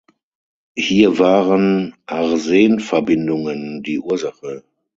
Hier waren Arsenverbindungen die Ursache.